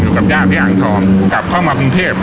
อยู่กับญาติที่อ่างทองกลับเข้ามากรุงเทพ